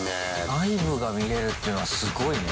内部が見れるっていうのはすごいね。